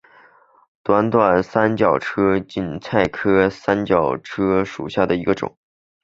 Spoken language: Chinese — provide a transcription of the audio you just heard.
短柄三角车为堇菜科三角车属下的一个种。